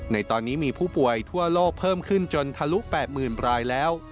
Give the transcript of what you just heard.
ในตอนนี้มีผู้ป่วยทั่วโลกเพิ่มขึ้นจนทะลุ๘๐๐๐รายแล้ว